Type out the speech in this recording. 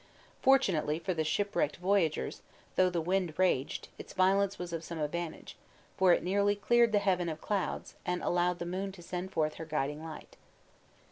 Fortunately for the shipwrecked voyagers, though the wind raged, its violence was of some advantage, for it nearly cleared the heavens of clouds, and allowed the moon to send forth her guiding light.